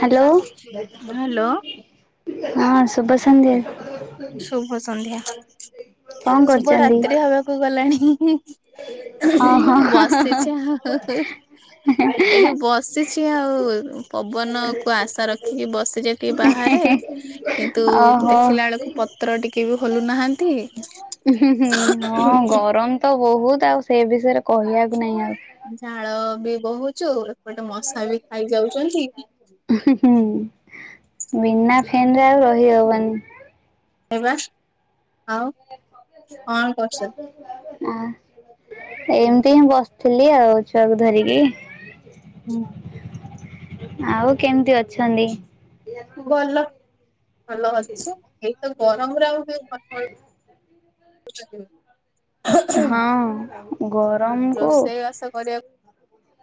Hello hello. ହଁ ଶୁଭ ସନ୍ଧ୍ୟା । ଶୁଭ ସନ୍ଧ୍ୟା କଣ ଶୁଭ କରୁଛନ୍ତି? ରାତ୍ରି ହବାକୁ ଗଲାଣି। ହଁ ହଁ [unintelligible] ବସିଚି ଆଉ [unintelligible] ଏଇଠି ବସିଛି ଆଉ। ପବନକୁ ଆଶା ରଖିକି ବସିଛି ଏଇଟି ଟିକେ ବାହା ଆରେ କିନ୍ତୁ ଦେଖିଲା ବେଳକୁ ପତ୍ର ଟିକେ ବି ହଲୁ ନାହାନ୍ତି। ହୁଁ ହୁଁ। ହଁ ଗରମ ତ ବହୁତ ଆଉ ସେ ବିଷୟରେ କହିବାକୁ ନାଇଁ ଆଉ। ଝାଳ ବି ବୋହୁଚୁ [inaudible] ବିନା ଫେନ ରେ ଆଉ ରହି ହବନି। ଏ ବା [unintelligible] ଆଁ। ଏମିତି ହିଁ ବସିଥିଲି ଆଉ ଛୁଆକୁ ଧରିକି। ହୁଁ। ଆଉ କେମିତି ଅଛନ୍ତି? ଭଲ। ଭଲ ଅଛି, ଏଇତ ଗରମରେ ଆଉ [unintelligible] ହଁ, ଗରମ କୁ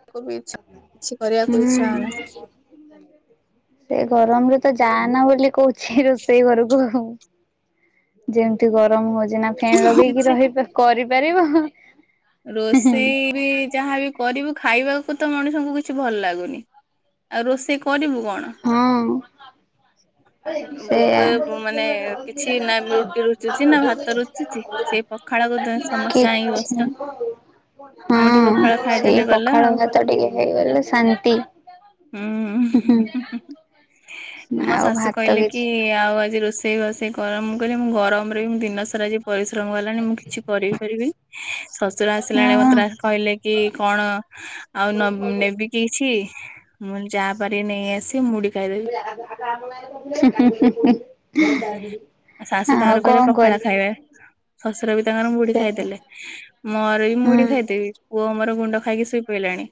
ଛ କିଛି କରିବାକୁ ହୁଁ। ଇଛା ହଉନି। ସେ ଗରମରେ ତ ଯାଆନା ବୋଲି କହୁଛି, ରୋଷେଇ ଘରକୁ ଆଉ। ଯେମିତି ଗରମ ହୋଉଚି ନା ଫେନ୍ ଲଗେଇକି କିଛି ରହି କରିପାରିବ। ରୋଷେଇ ବି ଯାହାବି କରିବୁ ଖାଇବାକୁ ତ ମଣିଷଙ୍କୁ କିଛି ଭଲ ଲାଗୁନି, ଆଉ ରୋଷେଇ କରିବୁ କଣ? ଭୋକ ହଁ। ମାନେ କିଛି ନା ସେଇଆ। ପଖାଳ କୁ ତ କିଛି ସମସ୍ତେ କାହିଁକି ବସ [unintelligible] ହଁ ସେଇ ଖାଇଦେଲେ ଗଲା ପଖାଳ ଆଉ ଭାତ ଟିକେ ହେଇଗଲେ ଶାନ୍ତି। ହୁଁ [unintelligible] ହୁଁ ମୋ ଆଉ ଶାଶୁ ଭାତ କହିଲେ କି କିଛି ଆଉ ଆଜି ରୋଷେଇ ଷେଇ ବାସ ଇ କର, ମୁଁ କହିଲି ମୁଁ ଗରମରେ ବି ଦିନସାରା ଯେ ପରିଶ୍ରମ ହେଲାଣି, ମୁଁ କିଛି କରିପାରିବି। ସ ଶଶୁର ଆସିଲା ବେଳେ ହଁ ମତେ କ କହିଲେ କି କଣ ଆଉ ନ ନେବି କି କିଛି। ମୁଁ ଯା ପାରି ନେଇ ଆସିି [unintelligible] ଶାଶୁ ତାଙ୍କର କଣ କହିଲେ ପଖାଳ କରିବି ଖାଇବେ। ଶଶୁର ବି ତାଙ୍କର ମୁଢି ସେ ଖାଇଦେଲେ, ମୋର ବି ହୁଁ ମୁଢି ଖାଇଦେବି। ପୁ ଅ ମୋର ଗୁଣ୍ଡ ଖାଇକି ଶୋଇ ପଇଲାଣି,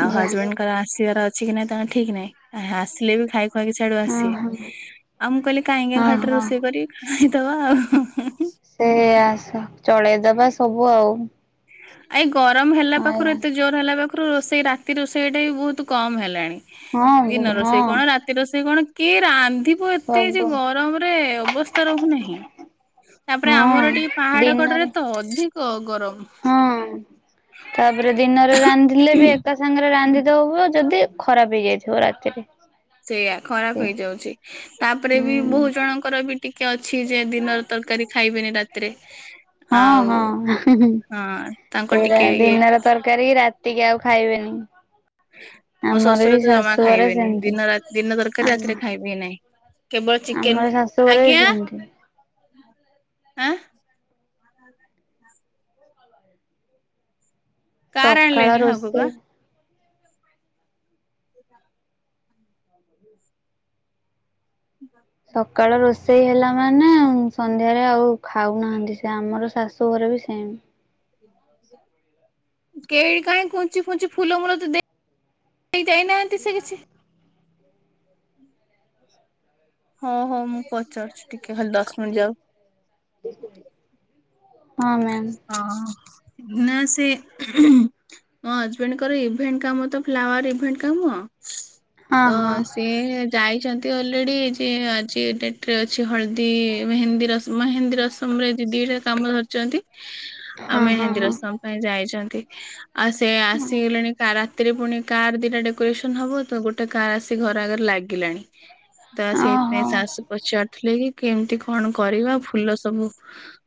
ଆଉ ଯା ହଜବେଣ୍ଡଙ୍କର ଆସିବାର ଅ ଅଛିକି ନାଇଁ ତାଙ୍କର ଠିକ ନାଇଁ, ଆ ଆସିଲେ ବି ଖାଇ ଖୁଆକି ସାଡୁ ଓହୋ ଆସିବେ, ହଁ ହଁ। ଆଉ ମୁଁ କହିଲି କାହିଁକି ଖାଲିଟରେ ହଁ। ରୋଷେଇ କରି ଖାଇଦବା ଆଉ। ଦବା ସବୁ ଆଉ। ଏଇ ଗରମ ହେଲା ପାଖରୁ, ଆଜ୍ଞା ଏତେ ଜୋର ହେଲା ପାଖରୁ ରୋଷେଇ ରାତି ରୋଷେଇ ଟା ବି ବୋହୁତ କମ ହେଲାଣି। ହଁ ଦିନ ହଁ ରୋଷେଇ କଣ, ରାତି ରୋଷେଇ କଣ କିଏ ରାନ୍ଧି ବ ଏତେ ଯେ ସବୁ ଗରମରେ ଅବସ୍ଥା ରହୁନାହିଁ। ତାପରେ ହଁ ଆମର ଟିକେ ପାହାଡ କଡରେ ଦିନରେ ତ, ଅଧିକ ଗରମ। ହଁ, ତାପରେ ଦିନରେ ରାନ୍ଧିଲେ ବି ଏକା ସାଙ୍ଗରେ ରାନ୍ଧି ଦବ ଯଦି, ଖରାପ ହେଇଯାଇଥିବ ରାତିକି । ସେଇୟା, ଖରାପ ହେଇଯାଉଛି। ତାପରେ ହୁଁ ବି ବହୁ ଜଣଙ୍କର ବି ଟିକେ ଅଛି ଯେ ଦିନରେ ତ କରି ଖାଇବେନି, ରାତି ହଁ ହଁ। [unintelligible] ହଁ ତାଙ୍କ ସେଇରା ଟିକେ ଇଏ ଦିନର ତରକାରୀ କି ରାତିକି ଆଉ ଖାଇବେନି। ମୋ ଆମର ବି ଶ୍ୱଶୁର ତ ଜମା ଶାଶୁଘରେ ଖାଇବେନି। ସେମିତି ଦିନରା ଦିନ ତରକାରୀ ଆମ ରାତିରେ ଖାଇବି ନାହିଁ। କେବଳ ଚିକେନ ଆମର [inaudible] ଶାଶୁଘରେ ବି ଆଜ୍ଞା ସେମିତି ଆଁ। କାର୍ ସକାଳ ଆଣଲେନି ହବବା। ରୋଷେଇ ସକାଳ ରୋଷେଇ ହେଲା ମାନେ, ସନ୍ଧ୍ୟାରେ ଆଉ ଖାଉନାହାନ୍ତି, ସେ ଆମର ଶାଶୁ ଘରେ ବି ସେମ। କେହି କାହିଁ କୁଞ୍ଚି ଫୁଞ୍ଚି ଫୁଲମୂଲ ତ ଦେ ଯାଇନାହାନ୍ତି ସେ କିଛି। ହଁ ହଉ, ମୁଁ ପଚାରୁଛି ଟିକେ ଖାଲି ଦଶ ମିନିଟ୍ ଯାଉ। ହଁ ମ୍ୟାମ୍ ଅ ନା ସେ ମୋ ହଜବେଣ୍ଡଙ୍କର ଇଭେଣ୍ଟ କାମ ତ ଫ୍ଲାୱାର ଇଭେଣ୍ଟ କାମ। ହଁ ତ ହଁ ସିଏ ଯାଇଛନ୍ତି। ଅଲରେଡି ଯେ ଆଜି ଡେଟ ରେ ଅଛି, ହଳଦୀ ମେନ୍ଦୀ ରସମ ମେହେନ୍ଦୀ ରସମ ରେ ଦିଦି କାମ ଧରିଛନ୍ତି ଆ ହଁ ହଁ ମେହେନ୍ଦୀ ହଁ। ରଶମ ପାଇଁ ଯାଇଛନ୍ତି, ଆ ସେ ଆସିଗଲେଣି କା ରାତିରେ ପୁଣି କାର ଦିଟା ଡେକୋରେସନ ହବ ତ, ଗୋଟେ କାର ଆସି ଘର ଆଗରେ ଲାଗିଲାଣି, ତ ଓହୋ ସେଇଥିପାଇଁ ଶାଶୁ ପଛର ଥିଲେ କି କେମିତି କଣ କରିବା, ଫୁଲ ସବୁ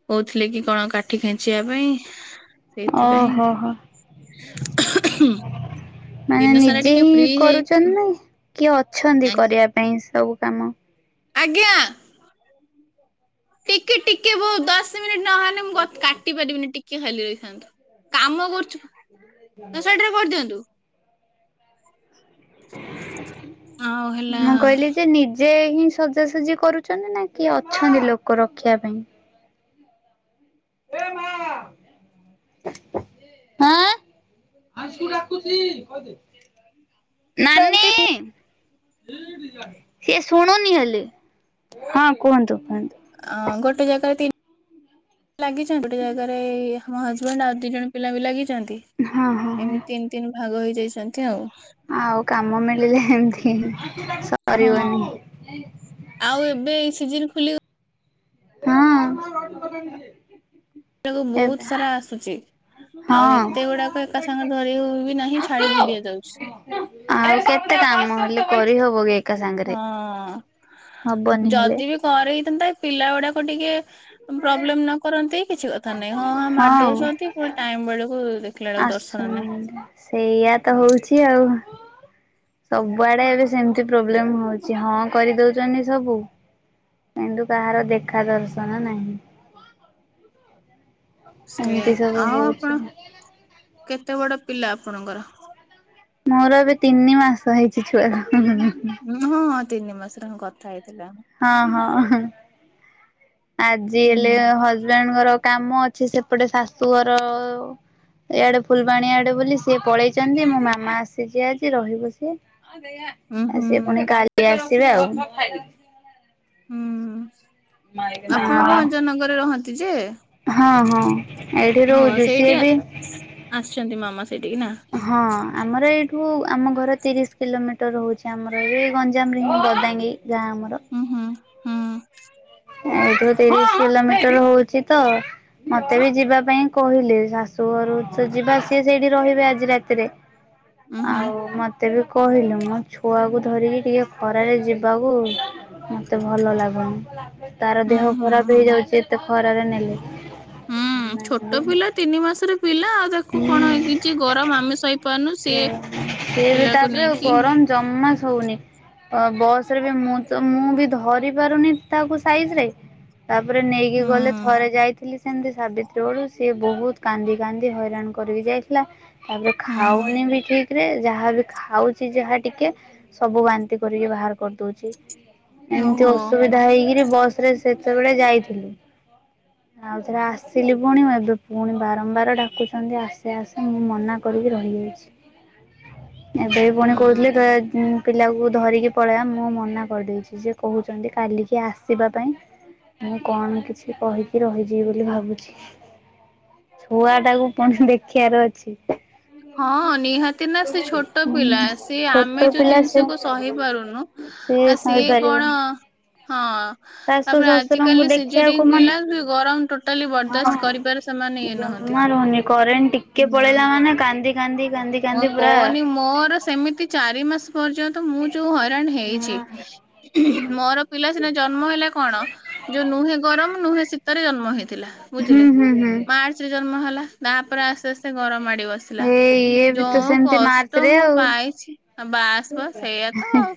କଉଥିଲେ କି କଣ କାଟି ଖେଞ୍ଚିବା ପାଇଁ, ଓହୋ ହୋ ସେଇଥିପାଇଁ! ମାନେ ଦିନ ସାରା ନିଜେ ଟିକେ ହିଁ ଫ୍ରି ହେଇ କରୁଛନ୍ତି ନା, କିଏ ଅଛନ୍ତି କରିବା ପାଇଁ ସବୁ? କାମ । ଆଜ୍ଞା, ଟିକେ ଟିକେ ବୋଉ ଦଶ ନହେଲେ ମୁଁ କାଟି ପାରିବିନି, ଟିକେ ଖାଲି ରହିଥାନ୍ତୁ କାମ କରୁଛୁ ଦଶମିନିଟରେ କରିଦିଅନ୍ତୁ । ମୁଁ କହିଲି ଯେ ନିଜେ ହ ସଜାସଜି କରୁଛନ୍ତି ନା କି ଅଛନ୍ତି ଲୋକ ରଖିବା ପାଇଁ? ଏ ମା! ଡାଛି [unintelligible] ନାନୀ କରନ୍ତି ସିଏ ଶୁଣୁନି ହେଲେ, ହଁ କୁହନ୍ତୁ? କୁହନ୍ତୁ ଅ ଗୋଟେ ଜାଗାରେ ତିନି ଲାଗିଛନ୍ତି, ଗୋଟେ ଜାଗାରେ ଆମ ହଜବେଣ୍ଡ ଆଉ ଦି ଜଣ ପିଲା ବି ଲାଗି ଏମିତି ହଁ ହଁ ହଁ। ତିନି, ତିନି ଭାଗ ହେଇଯାଇଛନ୍ତି ଆଉ! ଆଉ କାମ ମିଳିଲେ ଏମତି ହଁ ଆଉ ଏବେ ସିଜିନ୍ ଖୁଲିବ ହଁ ସେଟାକୁ ଏବେ ବହୁତ ସାରା ଆସୁଛି । ଆଉ ହଁ। ଏତେ ଗୁଡାକ ଏକା ସାଙ୍ଗ ଧରି ହ ବି ନାହିଁ ଛାଡି ବିି ଦିଆଯାଉଛି । ଆଉ କେତେ କାମ ହେଲେ କରିହବ ଗ ହଁ ହବନି ହେଲେ। ଯଦି ବି କରେଇଥାନ୍ତା, ପିଲା ଗୁଡାକ ଟିକେ ପ୍ରୋବ୍ଲେମ ନ କରନ୍ତି କିଛି କଥା ନାଇଁ, ହଁହା ମାରି ଦଉଛନ୍ତି, ପୁଣି ଟାଇମ ବେଳକୁ ଦେଖିଲା ବେଳକୁ ଆସ ଦର୍ଶନ ନାହିଁ। ସେଇଆ ତ ହଉଛି ଆଉ ସବୁଆଡେ ଏବେ ସେମତି ପ୍ରୋବ୍ଲେମ ହଉଛି, ହଁ କରିଦଉଛନ୍ତି ସବୁ କିନ୍ତୁ କାହାର ଦେଖା ଦର୍ଶନ ନାହିଁ । ସେଇଆା ଏମିତି ସବୁ ଆଉ ହଉଛି। ଆପଣ କେତେ ବଡ ପିଲା ଆପଣଙ୍କର? ମୋର ଏବେ ତିନି ମାସ ହେଇଛି ଛୁଆକୁ । ହଁ ହଁଁ ତିନି ମାସରେ ମୁଁ କଥା ହେଇଥିଲା । ହଁ ହଁ। ଆଜି ହୁଁ ହେଲେ ହଜବେଣ୍ଟଙ୍କର କାମ ଅଛି ସେପଟେ ଶାଶୁ ଘର ଏଇଆଡେ ଫୁଲବାଣି ଆଡେ ବୋଲି ସିଏ ପଳେଇଚନ୍ତି ମୋ ମାମା ଆସିଚି ଆଜି ରହିବ ସିଏ । ଉଁ ଆ ହୁଁ ସିଏ ପୁଣି କାଲି ଆସିବେ ଆଉ। ହୁଁ ଆପଣ ଭଞ୍ଜନଗରରେ ରହନ୍ତି ଯେ? ହଁ ହଁ ଏଇଠି ହଁ ରହୁଚୁ ସିଏ ସେଇଠି ବି ଆସିଛନ୍ତି ମାମା ସେଇଠିକି ନା ହଁ ଆମର ଏଇଠୁ ହଉ ଆମ ଘର ତିରିଶ କିଲୋମିଟର ହଉଛି ଆମର ଏଇ ଗଞ୍ଜାମରେ ହିଁ ଗଦାଙ୍ଗୀ ଗାଁ ଆମର ଉଁ ହୁଁ ହୁଁ ଏଠୁ ତିରିଶ୍ କିଲୋମିଟର ହଉଛି ତ ମତେ ବି ଯିବା ପାଇଁ କହିଲି ଶାଶୁ ଘରୁ ଚା ଯିବା ସିଏ ସେଇଠି ରହିବେ ଆଜି ରାତିରେ ଉଁ ହୁଁ ଆଉ ମତେ ବି କହିଲୁ ମୋ ଛୁଆକୁ ଧରିକି ଟିକେ ଖରାରେ ଯିବାକୁ ମତେ ଭଲ ଲାଗୁନି। ତାର ହୁଁ ଦେହ ହୁଁ। ଖରାପ୍ ହେଇଯାଉଛି ଏତେ ଖରାରେ ନେଲେ। ହୁଁ ସେମାନେ ଛୋଟ ପିଲା ବି ତିନି ମାସରେ ପିଲା ଆଉ ତାକୁ କଣ ହୁଁ ନିଜେ ଗରମ ଆମେ ସହି ପାରୁନୁ ସେ ସିଏ ସେ ବି ପିଲାକୁ ତାପରେ ନେଇକି ଗରମ ଜମା ଶୋଉନି। ଅ ବସ ରେ ବି ମୁଁ ତ ମୁଁ ବି ଧରି ପାରୁନି ତାକୁ ସାଇଜ଼ ରେ। ତାପରେ ନେଇକି ଗଲେ ହୁଁ ଥରେ ଯାଇଥିଲି ସେମିତି ସାବିତ୍ରୀ ବଳୁକୁ ସିଏ ବହୁତ୍ କାନ୍ଦି କାନ୍ଦି ହଇରାଣ କରିବି ଯାଇଥିଲା ତାପରେ ହୁଁ ଖାଉନି ବି ଠିକ୍ ରେ ଯାହା ବି ଖାଉଛି ଯାହା ଟିକେ ସବୁ ବାନ୍ତି କରିକି ବାହାର କରିଦଉଚି। ଏମତି ଓହୋ ଅସୁବିଧା ହେଇକିରି ବସ୍ ରେ ସେତେବେଳେ ଯାଇଥିଲି। ଆଉଥରେ ଆସିଲି ପୁଣି ଏବେ ପୁଣି ବାରମ୍ବାର ଡା ଡାକୁଛନ୍ତି ଆସେ ଆସେ ମୁଁ ମନା କରିକି ରହିଯାଇଛି। ଏବେ ପୁଣି ହୁଁ। କହୁଥିଲି ଦ ପିଲାକୁ ଧରିକି ପଳେଇଆ ମୁଁ ମନା କରିଦେଇଚି ଯେ କହୁଚନ୍ତି କାଲିକି ଆସିବା ପାଇଁ ମୁଁ କଣ କିଛି କହିକି ରହିଯିବି ବୋଲି ଭାବୁଛି ଛୁଆ ତାକୁ ପୁଣି ଦେଖିବାର ଅଛି। ହଁ ନିହାତି ନା ସେ ଛୋଟ ପିଲା ସେ ଛୋଟ ଆମେ ଯୋଉ ପିଲା ସେ ଜିନିଷକୁ ସହି ପାରୁନୁ ଆ ସିଏ କଣ ହଁ। ଶାଶୁ ତାପରେ ଶ୍ୱଶୁରଙ୍କୁ ଆଜିକାଲି ଦେଖିବାକୁ ସିଜରିଙ୍ଗ ମନ ପିଲା ବି ଗରମ ଟୋଟାଲି ବରଦାସ୍ତ କରିପାରେ ସେମାନେ ଇଏ ନୁହଁ। ମା ରହୁନି କରେଣ୍ଟ ଟିକେ ପଳେଇଲା ମାନେ କାନ୍ଦି କାନ୍ଦି କାନ୍ଦି ହଁ କାନ୍ଦି ପୁରା କଅନି ମୋର ସେମିତି ଚାରି ମାସ ପର୍ଯ୍ୟନ୍ତ ମୁଁ ଯୋଉ ହଇରାଣ ହଁ ହେଇଛି ମୋର ପିଲା ସିନା ଜନ୍ମ ହେଲା କଣ? ଯୋଉ ନୁହେଁ ଗରମ ନୁହେଁ ଶୀତରେ ଜନ୍ମ ହେଇଥିଲା ହୁଁ ବୁଝିଲେ ହୁଁ ହୁଁ ମାର୍ଚ୍ଚ ରେ ଜନ୍ମ ହେଲା। ତାପରେ ଆସ୍ତେ ଆସ୍ତେ ଗରମ ମାଡି ବସିଲା। ଏଇ ଇଏ ବି ତ ଯୋଉ ସେମିତି ମାର୍ଚ୍ଚ କଷ୍ଟ ରେ ମୁଁ ଆଉ। ପାଇଛି ବାସ୍ ବାସ୍ ସେଇଆ ତ ଆଉ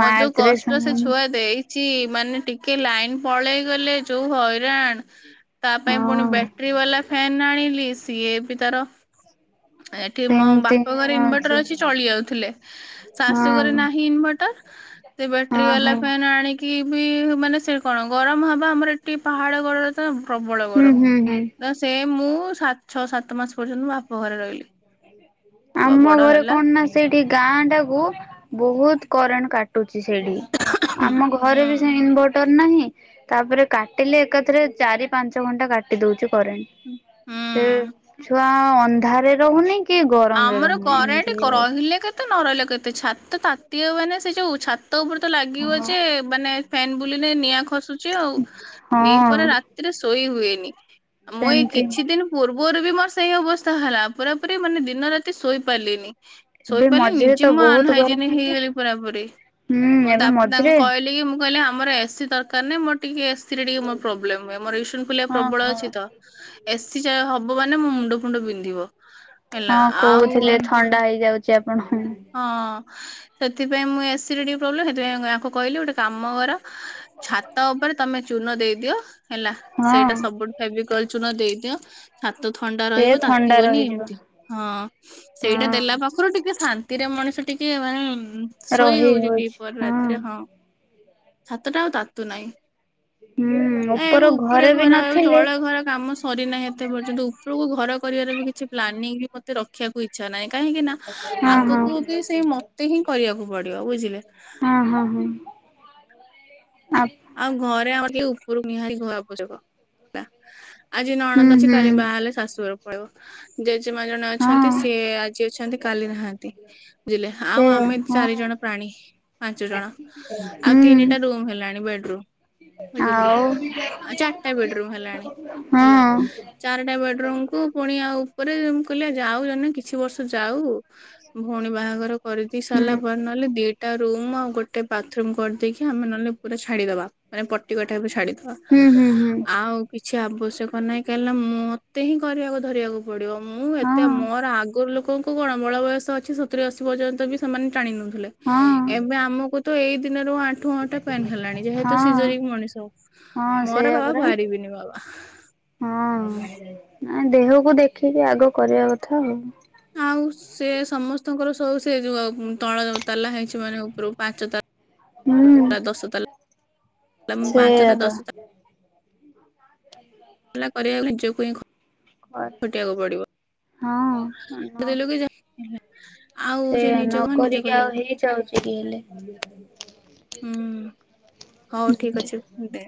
ମୋ ଯୋଉ ରେ କଷ୍ଟ ସେ ସେମାନେ ଛୁଆ ଦେଇ ଛି ମାନେ ଟିକେ ଲାଇନ୍ ପଳେଇ ଗଲେ ଯୋଉ ହଇରାଣ ତା ପାଇଁ ହଁ ପୁଣି ବ୍ୟାଟ୍ରି ବାଲା ଫ୍ୟାନ ଆଣିଲି ସିଏ ବି ତାର ଏଠି ମୋ ସେମିତି ବାପା ଘରେ ଇନ୍ ଭେଟର ହଉଛି ଅଛି ଚଳି ଯାଉଥିଲେ ହଁ ଶାଶୁଘରେ ନାହିଁ ଇନଭଟର ସେ ବ୍ୟାଟ୍ରି ହଁ ବାଲା ହଁ। ଫ୍ୟାନ୍ ଆଣିକି କି ବି ମାନେ ସେ କଣ ଗରମ ହବ ଆମର ଏଟି ପାହାଡ଼ କଡ଼ରେ ତ ପ୍ରବଳ ହୁଁ ଗରମ ହୁଁ ହୁଁ ତ ସେ ମୁଁ ସାତ ଛଅ ସାତ ମାସ ପର୍ଯ୍ୟନ୍ତ ବାପ ଘରେ ରହିଲି। ଛୁଆ ଆମ ବଡ ଘରେ ହେଲା କଣ ନା ସେଇଠି ଗାଁ ଟା କୁ ବହୁତ କରେଣ୍ଟ କାଟ ସେଠି ଆମ ଘରେ ହୁଁ ବି ସେ ଇନଭଟର ନାହିଁ ତାପରେ କାଟିଲେ ଏକାଥରେ ଚାରି ପାଞ୍ଚ ଘଣ୍ଟା କାଟି ଦଉଚୁ। କରେଣ୍ଟ ସେ ହୁଁ। ଛୁଆ ଅନ୍ଧାରେ ରହୁନି କି ଗରମରେ ଆମର ରହୁନି ଏମିତି କରେଣ୍ଟ କ ହେଇଯାଉଛି। ରହିଲେ କେତେ ନ ରହିଲେ କେତେ ଛାତ ତାତିବମାନେ ସେ ଯୋଉ ଛା ତ ଉପରେ ତ ଲାଗିବ ହଁ ଯେ ମାନେ ଫ୍ୟାନ୍ ବୁଲିଲେ ନିଆଁ ଖସୁ ଚି ଆଉ ନେଇ ହଁ ପରା ରାତିରେ ଶୋଇ ହୁଏନି। ମୁଁ ଏଇ ସେମିତି କିଛି ଦିନ ପୂର୍ବ ପୁଅର ବି ମୋର ସେଇ ଅବସ୍ଥା ହେଲା। ପୁରାପୁରି ମାନେ ଦିନ ରାତି ଶୋଇପାରିଲିନି। ମୁଁ ଏବେ ଶୋଇପାରିଲିନି ମଝିରେ ନିଜେ ତ ମୁଁ ବହୁତ ଗରମ ଆନହାଇଜେନିକ ହେଇଥିଲା। ହେଇଗଲି ପୁରାପୁରି। ହୁଁ ମୁଁ ଏବେ ତାପରେ ତାଙ୍କୁ ମଝିରେ କହିଲି କି ମୁଁ କହିଲି ଆମର ଏସି ଦରକାର ନାହିଁ। ମୋର ଟିକେ ଏସି ରେ ଟିକେ ମୋର ପ୍ରୋବ୍ଲେମ ହୁଏ। ଆମର ଇସୁନଫୁଲିଆ ହଁ ପ୍ରବଳ ହଁ। ଅଛି ତ। ଏସିି ଚାଲୁ ହବ ମାନେ ମୋ ମୁଣ୍ଡ ଫୁଣ୍ଡ ବିନ୍ଧିବ। ହେଲା। ହଁ ଆଉ କହୁଥିଲେ ଥଣ୍ଡା ହଁ [unintelligible] ସେଥିପାଇଁ ମୁଁ ଏସି ରେ ଟିକେ ପ୍ରୋବ୍ଲେମ। ସେଥିପାଇଁ ମୁଁ ୟାଙ୍କୁ କହିଲି ଗୋଟେ କାମ କର ଛାତ ଉପରେ ତମେ ଚୂନ ଦେଇଦିଅ ହେଲା। ସେଇଟା ହଁ। ସବୁଠୁ ମେବି କହିଲି ଚୁନ ଦେଇଦିଅ ତ ଥଣ୍ଡା ସେ ରହିବ ଥଣ୍ଡା ତାତିିବନି ରହିଯିବ ଏମିତି ହଁ ସେଇଟା ଦେଲା ହଁ ପାଖରୁ ଟିକେ ଶାନ୍ ନ୍ତିରେ ମଣିଷ ଟିକେ ମାନେ ଶୋଇ ହଉଛି ଦିପହରେ ରାତିରେ ହଁ। ଛାତଟା ଆଉ ତାତୁ ନାହିଁ। ହୁଁ। ଏ ଉପର ଉପରେ ଘରେ ବି ଘର ଏ ନଥିଲେ ତଳେ ଘର କାମ ସରିନାହିଁ ଏତେ ପର୍ଯ୍ୟନ୍ତ ଉପରକୁ ଘର କରିବାର ବି କିଛି ପ୍ଲାନିଂ ବି ମତେ ରଖିବାକୁ ଇଛା ନାହିଁ। କାହିଁକି ନା ହଁ ଆଗକୁ ହଁ। ତୁ ବି ସେଇ ମତେ ହିଁ କରିବାକୁ ପଡିବ ବୁଝିଲେ। ହଁ ହଁ ହଁ ଆ ଆଉ ଘରେ ଆମର ଟିକେ ଉପରକୁ ନିହାତି [unintelligible] ହେଲା। ଆଜି ହୁଁ ନଣନ୍ଦ ଅଛି ହୁଁ କାଲି ବାହା ହେଲେ ଶାଶୁଘରେ ପଳେଇବ। ଯେ ଜେଜେ ମା ଜଣେ ଅଛନ୍ତି ହଁ। ସିଏ ଆଜି ଅଛନ୍ତି କାଲି ନାହାନ୍ତି। ବୁଝିଲେ ଆଉ ସେଇଆ ଆମେ ହଁ ଚାରି ଜଣ ପ୍ରାଣୀ ପାଞ୍ଚ ଜଣ ଆଉ ହୁଁ। ତିନିଟା ରୁମ ହେଲାଣି ବେଡ ରୁମ୍ ବୁଝିଲେ ଆଉ ଚାରିଟା ବେଡରୁମ ହେଲାଣି ହଁ ହେଲା। ଚାରିଟା ବେଡମ କୁ ପୁଣି ଆଉ ଉପରେ ମୁଁ କହିଲି ଯାଉ କିଛି ବର୍ଷ ଯାଉ ଭଉଣୀ ବାହାଘର କରିଦେଇ ସାରିଲା ହୁଁ। ପରେ ନହେଲେ ଦିଇଟା ରୁମ୍ ଆଉ ଗୋଟେ ବାଥରୁମ୍ କରିଦେଇକି ଆମେ ନହେଲେ ପୁରା ଛାଡ଼ିଦେବା। ମାନେ ପଟି କଠା କୁ ଛାଡିଦବା ହୁଁ ହୁଁ ହୁଁ ଆଉ କିଛି ଆବଶ୍ୟକ ନାହିଁ। କାହିଁକିନା ମତେ ହିଁ କରିବାକୁ ଧରିବାକୁ ପଡିବ। ମୁଁ ଏତେ ହଁ ମୋର ଆଗରୁ ଲୋକଙ୍କୁ କଣ ବଳ ବୟସ ଅଛି ସତୁରି ଅଶୀ ପର୍ଯ୍ୟନ୍ତ ସେମାନେ ଟାଣି ନଉଥିଲେ। ହଁ ଏବେ ଆମକୁ ତ ଏଇ ଦିନ ର ଆଠୁଟା ପେନ୍ ହେଲାଣି। ଯେହେତୁ ହଁ ସିଜରିଙ୍ଗ ମଣିଷ। ହଁ ମୋର ସେଇଆ ବାବା ପରା। ବାହାରିବିନି ବାବା। ହଁ ନା ଦେହକୁ ଦେଖିକି ଆଗ କରିବା କଥା ଆଉ। ଆଉ ସେ ସମସ୍ତଙ୍କର ସବୁ ସେ ଯୋଉ ଆଉ ତଳ ତାଲା ହେଇଛି ମାନେ ଉପରୁ ପାଞ୍ଚ ହୁଁ ତାଲା ଦଶ ତାଲା ସେଇଆ ପାଞ୍ଚଟା ତ ଦଶଟା [inaudible] ଖୁଟିବାକୁ ପଡିବ। ହଁ। [unintelligible] ଆଉ ସେ ସେୟା ନିଜ କଣ ନିଜେ ନକିରିକି କରିବାକୁ ଆଉ ପଡିବ। ହେଇଯାଉଛି କି ହେଲେ। ହୁଁ ହଉ ଠିକ ଅଛି ଦେ।